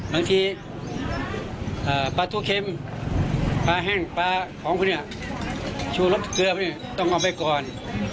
บางทีปลาทั่วเค็มปลาแห้งปลาของคุณเนี่ยชั่วรับเกลือต้องเอาไว้ก่อน